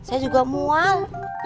saya juga mual